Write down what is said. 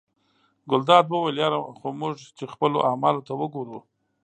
ګلداد وویل یره خو موږ چې خپلو اعمالو ته ګورو.